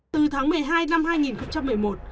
từ tháng một mươi hai năm hai nghìn một mươi một